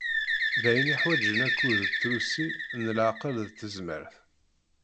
D ayen iḥwaǧen akud d trusi n leɛqel d tezmert.